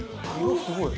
すごい。